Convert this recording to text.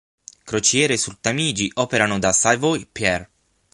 Crociere sul Tamigi operano da Savoy Pier.